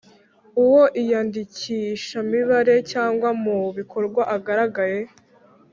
Uwo iyandikishamibare cyangwa mu bikorwa agaragaye